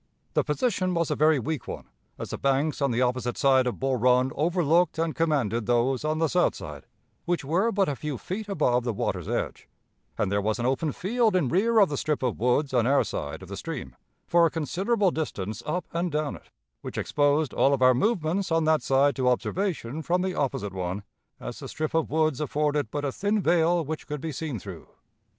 The position was a very weak one, as the banks on the opposite side of Bull Run overlooked and commanded those on the south side, which were but a few feet above the water's edge, and there was an open field in rear of the strip of woods on our side of the stream, for a considerable distance up and down it, which exposed all of our movements on that side to observation from the opposite one, as the strip of woods afforded but a thin veil which could be seen through....